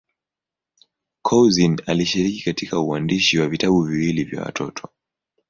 Couzyn alishiriki katika uandishi wa vitabu viwili vya watoto.